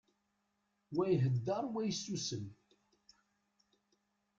Wa ihedder, wa yessusum.